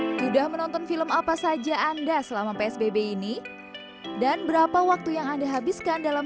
hai sudah menonton film apa saja anda selama psbb ini dan berapa waktu yang anda habiskan dalam